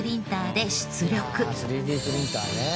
ああ３Ｄプリンターね。